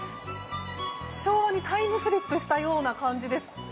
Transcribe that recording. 昭和にタイムスリップしたような感じです。